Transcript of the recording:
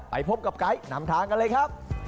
ไปพบกับไกด์นำทางกันเลยครับ